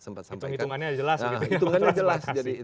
sampaikan hitungannya jelas